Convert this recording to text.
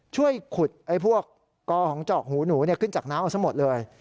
ช่วยขุดไอ้พวกกอของเจาะหูหนูเนี้ยขึ้นจากน้ำออกซะหมดเลย